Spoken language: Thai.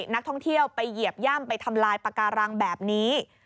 นักท่องเที่ยวไปเหยียบย่ำไปทำลายปากการังแบบนี้